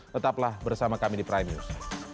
tetaplah bersama kami di prime news